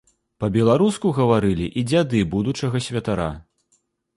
Па-беларуску гаварылі і дзяды будучага святара.